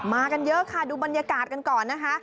กันเยอะค่ะดูบรรยากาศกันก่อนนะคะ